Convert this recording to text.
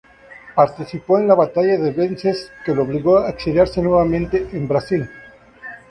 Participó en la Batalla de Vences, que lo obligó a exiliarse nuevamente en Brasil.